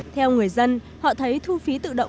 theo người dân họ thấy thu phí tự động